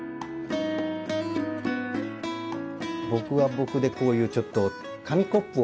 僕は僕でこういうちょっと紙コップをモチーフに作った。